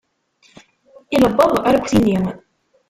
Ilebbeḍ arekti-nni.